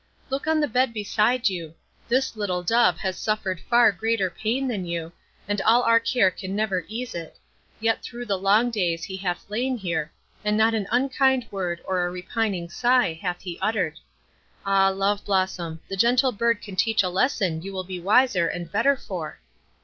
Look on the bed beside you; this little dove has suffered far greater pain than you, and all our care can never ease it; yet through the long days he hath lain here, not an unkind word or a repining sigh hath he uttered. Ah, Love Blossom, the gentle bird can teach a lesson you will be wiser and better for."